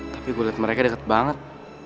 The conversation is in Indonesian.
tapi gue liat mereka deket banget